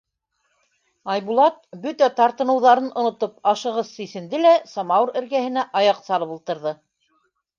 Айбулат, бөтә тартыныуҙарын онотоп, ашығыс сисенде лә самауыр эргәһенә аяҡ салып ултырҙы.